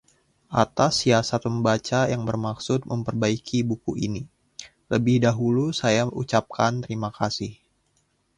atas siasat pembaca yang bermaksud memperbaiki buku ini, lebih dahulu saya ucapkan terima kasih